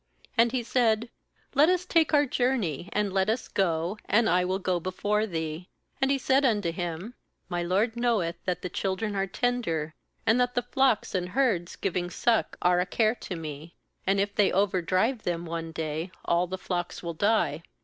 BAnd he said: 'Let us take our journey, and let us go, and I will go before thee.' 13And he said unto him: 'My lord knoweth that the children are tender, and that the flocks and herds giving suck are a care to me; and if they over drive them one day, all the flocks will die.